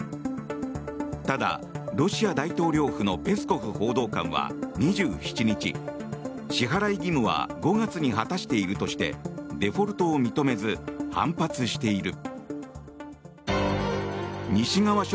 ただ、ロシア大統領府のペスコフ報道官は２７日支払い義務は５月に果たしているとしてデフォルトを認めず反発している。